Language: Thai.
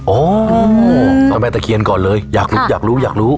อ๋อเจ้าแม่ตะเคียนก่อนเลยอยากรู้อยากรู้อยากรู้